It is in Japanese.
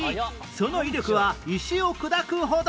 その威力は石を砕くほど